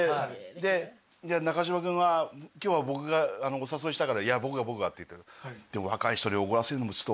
で中島君は「今日は僕がお誘いしたから」「いや僕が僕が」って。でも若い人におごらせるのもおかしな話だし。